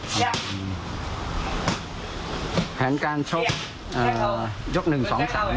มันแขนการชมนี้ยกหนึ่งสองสามเนึ้ง